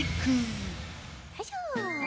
よいしょ。